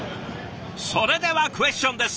それではクエスチョンです！